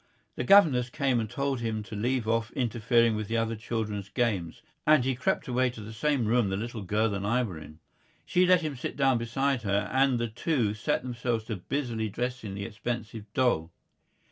The governess came and told him to leave off interfering with the other children's games, and he crept away to the same room the little girl and I were in. She let him sit down beside her, and the two set themselves busily dressing the expensive doll.